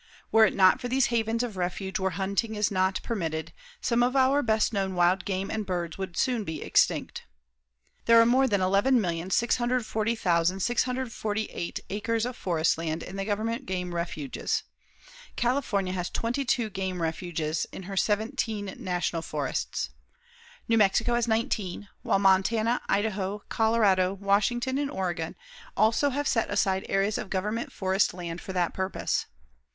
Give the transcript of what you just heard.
Were it not for these havens of refuge where hunting is not permitted, some of our best known wild game and birds would soon be extinct. There are more than 11,640,648 acres of forest land in the government game refuges. California has 22 game refuges in her 17 National Forests. New Mexico has 19, while Montana, Idaho, Colorado, Washington and Oregon also have set aside areas of government forest land for that purpose.